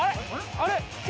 あれ？